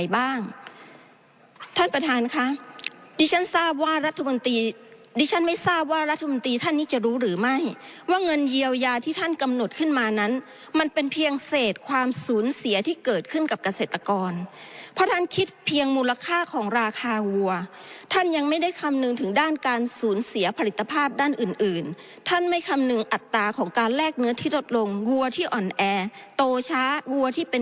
บ้างท่านประธานค่ะดิฉันทราบว่ารัฐมนตรีดิฉันไม่ทราบว่ารัฐมนตรีท่านนี้จะรู้หรือไม่ว่าเงินเยียวยาที่ท่านกำหนดขึ้นมานั้นมันเป็นเพียงเศษความสูญเสียที่เกิดขึ้นกับเกษตรกรเพราะท่านคิดเพียงมูลค่าของราคาวัวท่านยังไม่ได้คำนึงถึงด้านการสูญเสียผลิตภาพด้านอื่นอื่